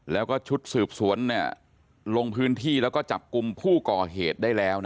แล้วก็ชุดสืบสวนลงพื้นที่แล้วก็จับกลุ่มผู้ก่อเหตุได้แล้ว